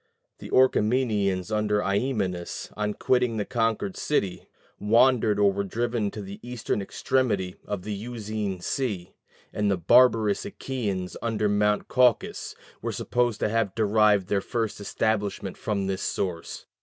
The Orchomenians under Iamenus, on quitting the conquered city, wandered or were driven to the eastern extremity of the Euxine Sea; and the barbarous Achæans under Mount Caucasus were supposed to have derived their first establishment from this source.